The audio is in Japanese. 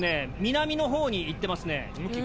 南の方に行ってますね。